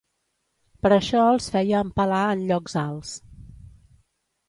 Per això els feia empalar en llocs alts.